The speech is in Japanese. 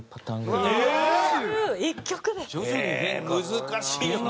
難しいよね。